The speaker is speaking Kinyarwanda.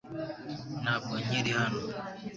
Ntabwo nkiri hano .